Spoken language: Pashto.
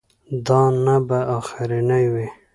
دا نه به اخرنی وي.